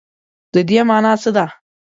د دې مانا څه ده ؟